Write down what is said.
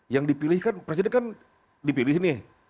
yang dipilihkan presiden kan dipilih nih